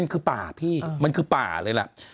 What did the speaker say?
มันคือป่าพี่มันคือป่าเลยล่ะ